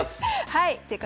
はい。